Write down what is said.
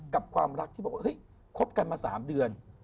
กับความรักที่บอกครบกันมา๓เดือน